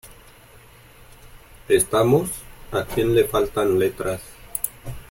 ¿ estamos? ¿ a quien le faltan letras ?